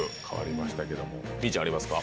みぃちゃんありますか？